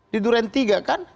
di durian tiga kan